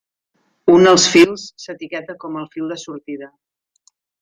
Un els fils s'etiqueta com el fil de sortida.